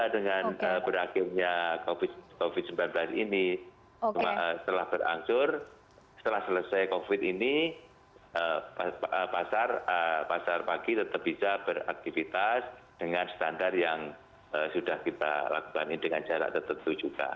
dengan berakhirnya covid sembilan belas ini setelah berangsur setelah selesai covid ini pasar pagi tetap bisa beraktivitas dengan standar yang sudah kita lakukan ini dengan jarak tertentu juga